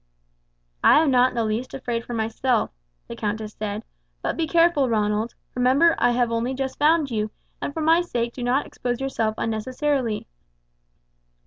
"I am not in the least afraid for myself," the countess said; "but be careful, Ronald. Remember I have only just found you, and for my sake do not expose yourself unnecessarily."